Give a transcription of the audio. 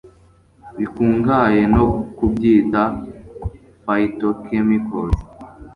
bikungahaye no kubyitwa phytochemicals